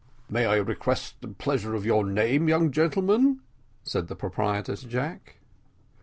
"May I request the pleasure of your name, young gentleman?" said the proprietor to Jack.